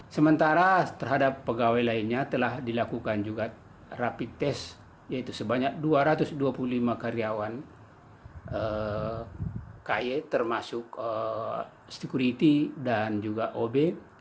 sementara terhadap pegawai lainnya telah dilakukan juga rapid test yaitu sebanyak dua ratus dua puluh lima karyawan ky termasuk security dan juga ob